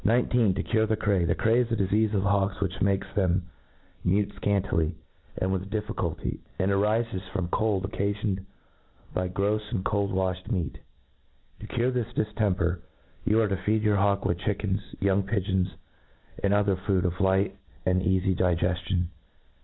To cure the Cray. . The Cray is a difeafe of hawks which makci them mute ix:antily, and with difficulty ; and 9f ifes from cold occafioned by grofs and cold ' waflied meat. To cure this diftemper, you arc to feed your hawk with chickens, young pigeons, and other food of liglrt and eafy digeftion.